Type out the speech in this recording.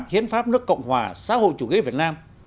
hiến pháp nước cộng hòa xã hội chủ nghĩa việt nam